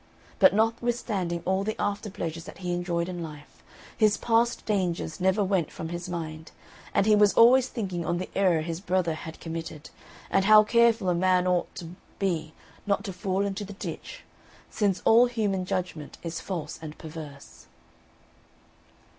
But notwithstanding all the after pleasures that he enjoyed in life, his past dangers never went from his mind; and he was always thinking on the error his brother had committed, and how careful a man ought to be not to fall into the ditch, since "All human judgment is false and perverse."